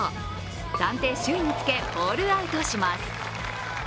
暫定首位につけ、ホールアウトします。